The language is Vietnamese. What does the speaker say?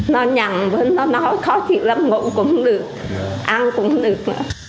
nó nhặn với nó nói khó chịu lắm ngủ cũng được ăn cũng được